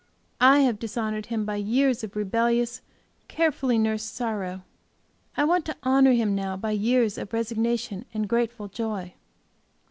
I have dishonored Him by years of rebellious, carefully nursed sorrow; I want to honor Him now by years of resignation and grateful joy."